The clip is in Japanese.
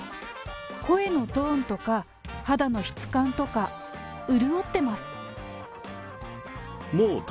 声のトーンとか、肌の質感とか、潤ってます。